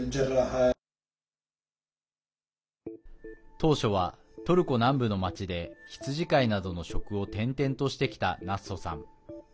当初はトルコ南部の町で羊飼いなどの職を転々としてきたナッソさん。